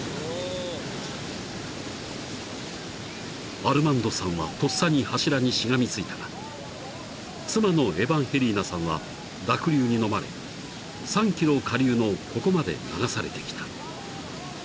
［アルマンドさんはとっさに柱にしがみついたが妻のエバンヘリーナさんは濁流にのまれ３ｋｍ下流のここまで流されてきた］